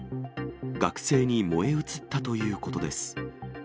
学生に燃え移ったということです。